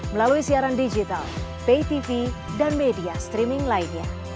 melalui siaran digital pay tv dan media streaming lainnya